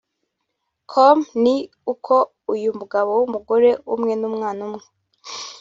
com ni uko uyu mugabo w'umugore umwe n'umwana umwe